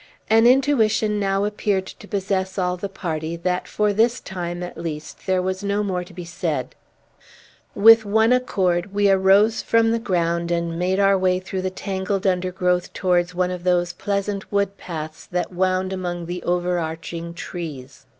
An intuition now appeared to possess all the party, that, for this time, at least, there was no more to be said. With one accord, we arose from the ground, and made our way through the tangled undergrowth towards one of those pleasant wood paths that wound among the overarching trees.